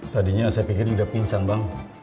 tadinya saya pikir dia udah pingsan bang